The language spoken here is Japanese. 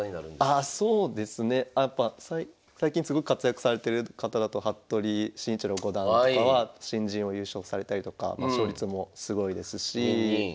あそうですね最近すごく活躍されてる方だと服部慎一郎五段とかは新人王優勝されたりとか勝率もすごいですし。